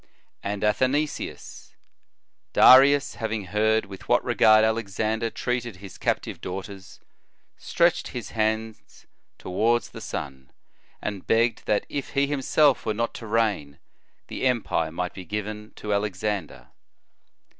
"f And Athenaeus: "Darius, having heard with what regard Alexander treated his captive daughters, stretched his hands toward the sun, and begrsred that if he himself were not o o to reign, the empire might be given to Alex ander."